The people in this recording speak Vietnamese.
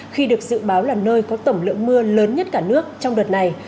khi được dự báo là nơi có tổng lượng mưa lớn nhất cả nước trong đợt này